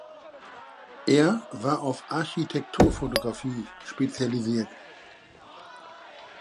Er war auf Architekturfotografie spezialisiert.